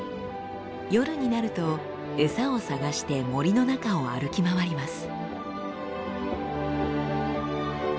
夜になると餌を探して森の中を歩き回ります。